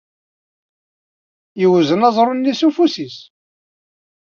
Yewzen aẓru-nni s ufus-nnes.